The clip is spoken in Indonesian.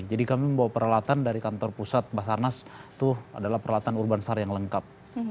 jadi kami membawa peralatan dari kantor pusat basarnas itu adalah peralatan urban sar yang lengkap